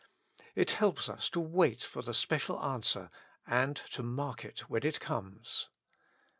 It helps us to wait for the special answer, and to mark it when it comes.